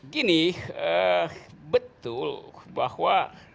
gini betul bahwa